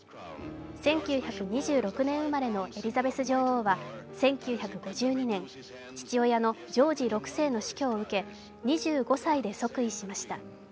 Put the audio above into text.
１９２６年生まれのエリザベス２世は１９５６年、父親のジョージ６世の死去を受け２６歳で即位しました。